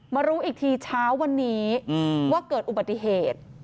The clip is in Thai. รู้อีกทีเช้าวันนี้ว่าเกิดอุบัติเหตุ